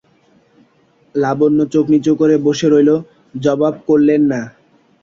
লাবণ্য চোখ নিচু করে বসে রইল, জবাব করলে না।